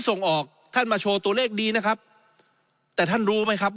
ส่งออกท่านมาโชว์ตัวเลขดีนะครับแต่ท่านรู้ไหมครับ